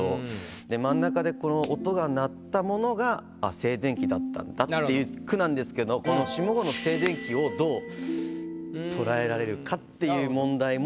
で真ん中でこの音が鳴ったものがあっ静電気だったんだっていう句なんですけどこの下五の「静電気」をっていう問題も。